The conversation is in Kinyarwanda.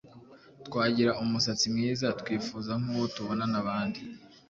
twagira umusatsi mwiza twifuza nkuwo tubonana abandi